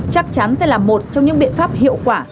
chắc chắn sẽ là một trong những biện pháp hiệu quả